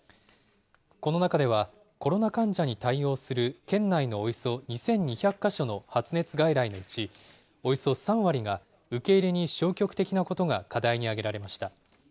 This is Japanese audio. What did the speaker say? この中では、コロナ患者に対応する県内のおよそ２２００か所の発熱外来のうち、およそ３割が、受け入れに消極的なことが課題に挙げられました。